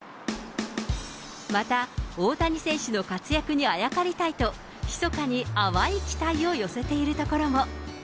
また、大谷選手の活躍にあやかりたいと、ひそかに淡い期待を寄せている所も。